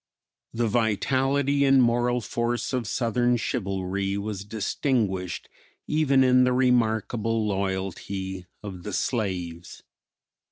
The vitality and moral force of Southern chivalry was distinguished even in the remarkable loyalty of the slaves.